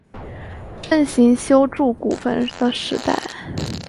盛行修筑古坟的时代。